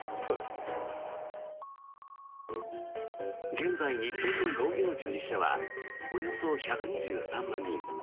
現在、日本の農業従事者はおよそ１２３万人。